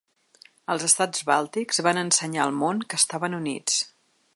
Els estats bàltics van ensenyar al món que estaven units.